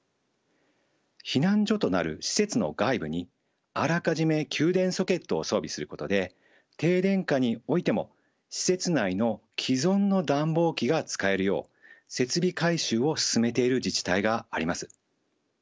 避難所となる施設の外部にあらかじめ給電ソケットを装備することで停電下においても施設内の既存の暖房機が使えるよう設備改修を進めている自治体があります。